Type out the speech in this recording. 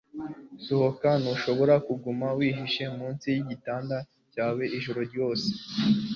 Sohoka Ntushobora kuguma wihishe munsi yigitanda cyawe ijoro ryose